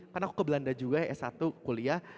karena aku ke belanda juga ya s satu kuliah